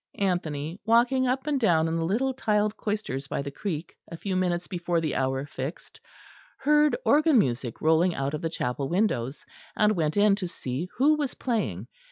Anthony, walking up and down in the little tiled cloisters by the creek, a few minutes before the hour fixed, heard organ music rolling out of the chapel windows; and went in to see who was playing.